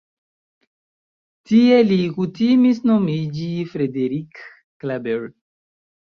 Tie li kutimis nomiĝi Frederick Klaeber.